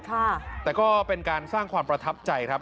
แต่ก็เป็นการสร้างความประทับใจครับ